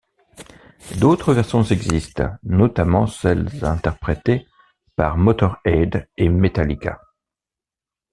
D'autres versions existent, notamment celles interprétées par Motörhead et Metallica.